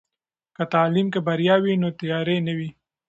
که تعلیم کې بریا وي، نو تیارې نه وي.